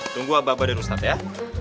tunggu abah abah dan ustadz ya